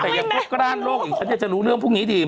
แต่ยังพวกกล้านโลกอีกฉันอยากจะรู้เรื่องพวกนี้ดี